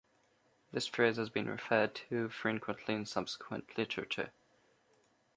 This phrase has been referred to frequently in subsequent literature.